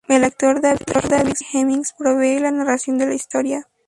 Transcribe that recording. El actor David Hemmings provee la narración de la historia.